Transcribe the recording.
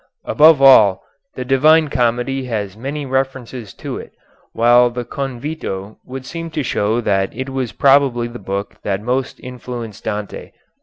Above all, the "Divine Comedy" has many references to it, while the "Convito" would seem to show that it was probably the book that most influenced Dante.